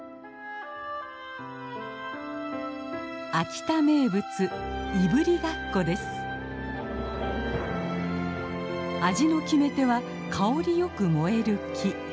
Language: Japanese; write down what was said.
秋田名物味の決め手は香りよく燃える木。